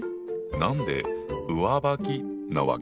何で「上履き」なわけ？